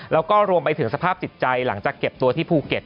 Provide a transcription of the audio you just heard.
แล้วก็รวมไปถึงสภาพจิตใจหลังจากเก็บตัวที่ภูเก็ต